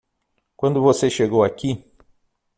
Quando você chegou aqui?